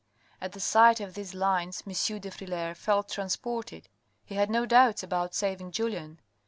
At the sight of these lines, M. de Frilair felt transported. He had no doubts about saving Julien.